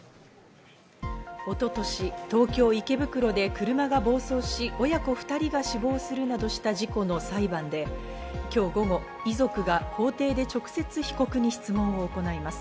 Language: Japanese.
一昨年、東京・池袋で車が暴走し、親子２人が死亡するなどした事故の裁判で、今日午後、遺族が法廷で直接、被告に質問を行います。